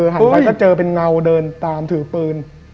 หันไปก็เจอเป็นเงาเดินตามถือปืน